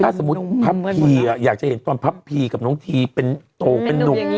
ถ้าสมมุติพับพี่อยากจะเห็นพับพี่กับน้องที่เป็นโน่น